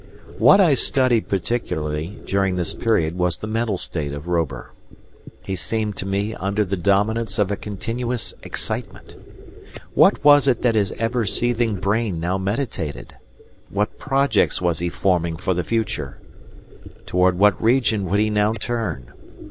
What I studied particularly during this period was the mental state of Robur. He seemed to me under the dominance of a continuous excitement. What was it that his ever seething brain now meditated? What projects was he forming for the future? Toward what region would he now turn?